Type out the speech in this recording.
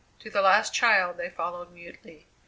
To the last child they followed mutely.